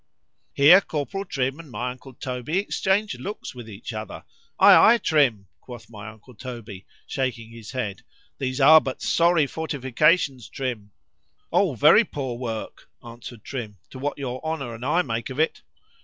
[Here Corporal Trim and my uncle Toby exchanged looks with each other.—Aye, Aye, Trim! quoth my uncle Toby, shaking his head,——these are but sorry fortifications, Trim.———O! very poor work, answered Trim, to what your Honour and I make of it.